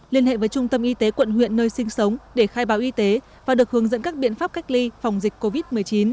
liên hệ với trung tâm y tế quận huyện nơi sinh sống để khai báo y tế và được hướng dẫn các biện pháp cách ly phòng dịch covid một mươi chín